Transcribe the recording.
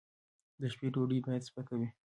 د شپې ډوډۍ باید سپکه وي